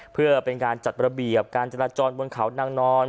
เพื่อเป็นการจัดระเบียบการจราจรบนเขานางนอน